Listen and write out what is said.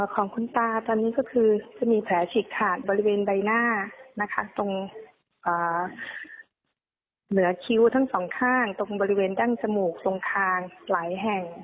ของคุณตาตอนนี้ก็คือจะมีแผลฉีกขาดบริเวณใบหน้านะคะตรงเหนือคิ้วทั้งสองข้างตรงบริเวณดั้งจมูกตรงคางหลายแห่ง